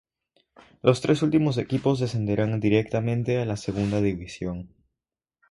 Los tres últimos equipos descenderán directamente a la Segunda División.